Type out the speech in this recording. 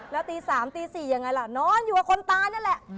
แล้วตีสามตีสี่อย่างไรล่ะนอนอยู่กับคนตายนั่นแหละ